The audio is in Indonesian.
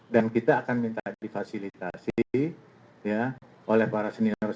dan kita akan minta difasilitasi oleh para senior senior kita